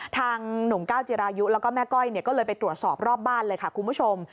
หนุ่มก้าวจิรายุแล้วก็แม่ก้อยก็เลยไปตรวจสอบรอบบ้านเลยค่ะคุณผู้ชม